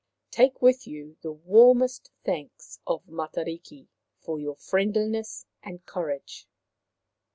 Take with you the warmest thanks of Matariki for your friendliness and courage.'